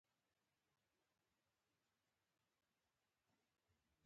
او بل بیا له هغې څخه راکښته کېږي او لاندې راځي.